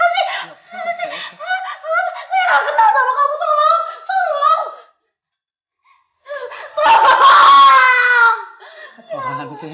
untuk menghasilkan jalan fikir ginjal